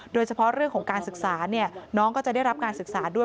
โดยเฉพาะเรื่องของการศึกษาน้องก็จะได้รับการศึกษาด้วย